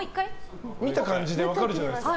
見た感じで分かるじゃないですか。